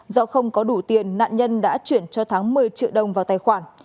do không có đủ tiền nạn nhân đã chuyển cho thắng một mươi triệu đồng vào tài khoản